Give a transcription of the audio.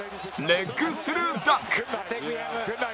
レッグスルーダンク！